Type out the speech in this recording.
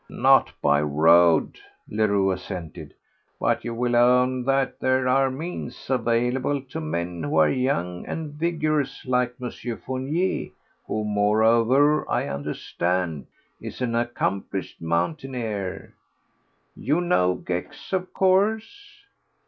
"Not by road," Leroux assented. "But you will own that there are means available to men who are young and vigorous like M. Fournier, who moreover, I understand, is an accomplished mountaineer. You know Gex, of course?"